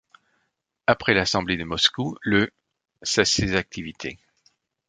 Après l'assemblée de Moscou, le cesse ses activités.